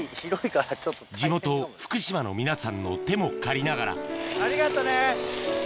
地元福島の皆さんの手も借りながらありがとね。